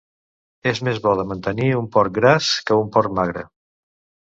És més bo de mantenir un porc gras que un porc magre.